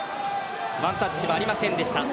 ワンタッチはありませんでした。